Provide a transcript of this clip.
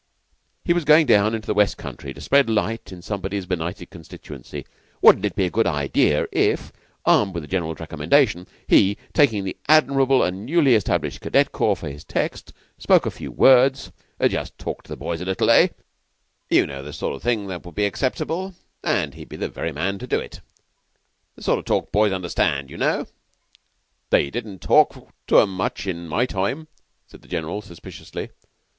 He was going down into the West country, to spread light in somebody's benighted constituency. Wouldn't it be a good idea if, armed with the General's recommendation, he, taking the admirable and newly established cadet corps for his text, spoke a few words "Just talked to the boys a little eh? You know the kind of thing that would be acceptable; and he'd be the very man to do it. The sort of talk that boys understand, you know." "They didn't talk to 'em much in my time," said the General, suspiciously.